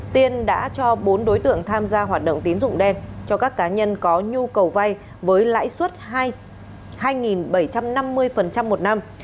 tiên đã cho bốn đối tượng tham gia hoạt động tín dụng đen cho các cá nhân có nhu cầu vay với lãi suất hai bảy trăm năm mươi một năm